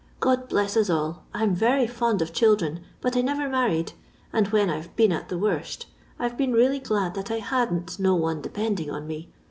God bless us all ; I 'm very fond of children, but I never married, and when I 've been at the worst, I 've been really glad that I hadn't no one depending on me.